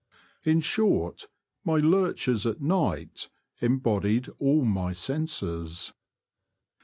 In short, my lurchers at night em bodied all my senses.